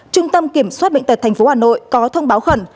trung tâm kiểm soát bệnh tật thành phố hà nội có thông báo khẩn